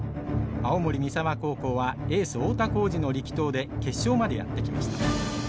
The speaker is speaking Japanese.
青森三沢高校はエース太田幸司の力投で決勝までやって来ました。